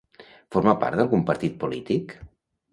Forma part d'algun partit polític?